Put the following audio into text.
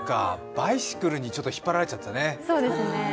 バイシクルに引っ張られちゃったね。